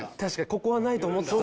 ここはないと思ってた。